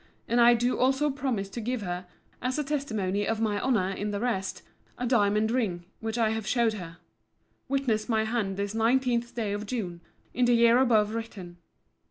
And I do also promise to give her, as a testimony of my honour in the rest, a diamond ring, which I have showed her. Witness my hand this nineteenth day of June, in the year above written.